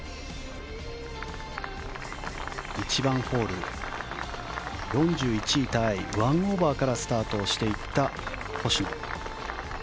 １番ホール、４１位タイ１オーバーからスタートしていった星野。